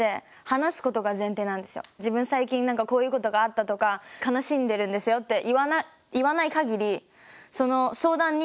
自分最近何かこういうことがあったとか悲しんでるんですよって言わない限りその相談に乗れない。